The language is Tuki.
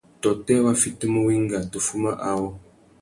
Tôtê wa fitimú wenga tu fuma awô.